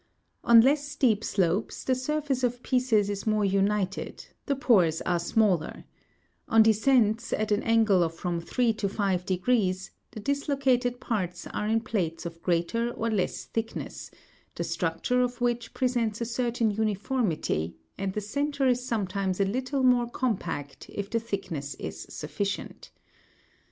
On less steep slopes, the surface of pieces is more united, the pores are smaller ; on descents, at an angle of from three to five degrees, the dislocated parts are in plates of greater or less thickness, the structure of which presents a certain uniformity, and the centre is sometimes a little more compact, if the thickness is sufficient.